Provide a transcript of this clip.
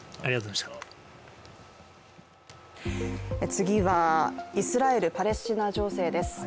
次は、イスラエル・パレスチナ情勢です。